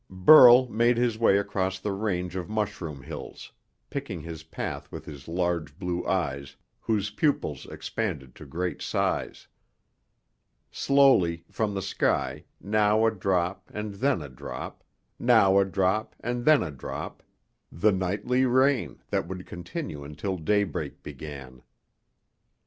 Burl made his way across the range of mushroom hills, picking his path with his large blue eyes whose pupils expanded to great size. Slowly, from the sky, now a drop and then a drop, now a drop and then a drop, the nightly rain that would continue until daybreak began.